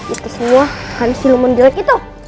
itu semua hansil mendelek itu